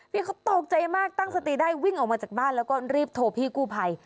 พี่เขาตกใจมากตั้งสติได้วิ่งออกมาจากบ้านแล้วก็รีบโทรพี่กู้ภัย